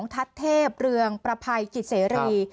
ทัศเทพเรืองประภัยกิจเสรี